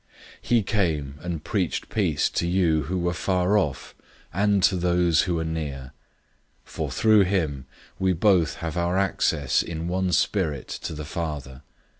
002:017 He came and preached peace to you who were far off and to those who were near. 002:018 For through him we both have our access in one Spirit to the Father.